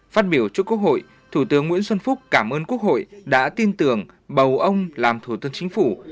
phát biểu trước quốc hội thủ tướng nguyễn xuân phúc cảm ơn quốc hội đã tin tưởng bầu ông làm thủ tướng chính phủ